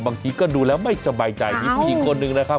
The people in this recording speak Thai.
บางทีก็ดูแล้วไม่สบายใจมีผู้หญิงคนหนึ่งนะครับ